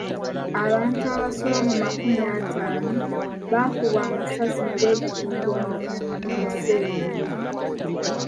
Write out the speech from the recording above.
Abantu abasoba mu makumi ataano baakubwa amasasi mu bwegugungo mu museenene.